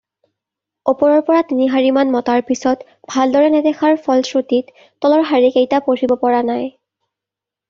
ওপৰৰ পৰা তিনিশাৰীমান মতাৰ পিছত ভালদৰে নেদেখাৰ ফলশ্ৰুতিত তলৰ শাৰীকেইটা পঢ়িব পৰা নাই।